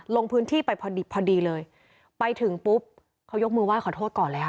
ลงพื้นที่ไปพอดิบพอดีเลยไปถึงปุ๊บเขายกมือไห้ขอโทษก่อนเลยค่ะ